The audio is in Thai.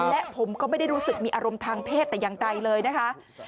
และผมก็ไม่ได้รู้สึกมีอารมณ์ทางเพศแต่อย่างใดเลยนะคะ